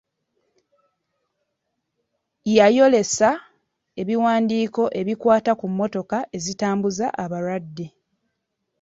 Yayolesa ebiwandiiko ebikwata ku mmotoka ezitambuza abalwadde.